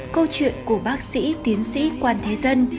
câu chuyện của bác sĩ tiến sĩ quan thế dân